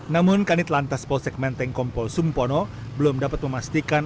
namun kanit lantas polsegmenteng kompol sumpono belum dapat memastikan